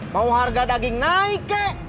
mau harga daging naik kek